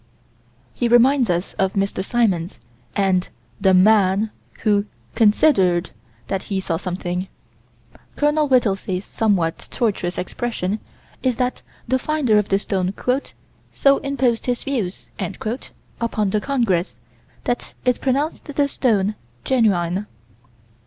He reminds us of Mr. Symons, and "the man" who "considered" that he saw something. Col. Whittelsey's somewhat tortuous expression is that the finder of the stone "so imposed his views" upon the congress that it pronounced the stone genuine.